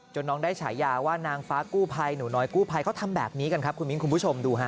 น้องได้ฉายาว่านางฟ้ากู้ภัยหนูน้อยกู้ภัยเขาทำแบบนี้กันครับคุณมิ้นคุณผู้ชมดูฮะ